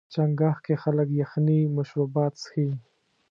چنګاښ کې خلک یخني مشروبات څښي.